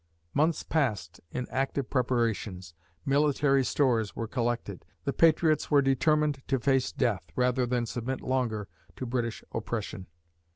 Months passed in active preparations. Military stores were collected. The patriots were determined to face death rather than submit longer to British oppression.